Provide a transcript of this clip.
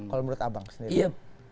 kalau menurut abang sendiri